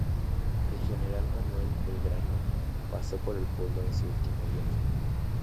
El general Manuel Belgrano pasó por el pueblo en su último viaje.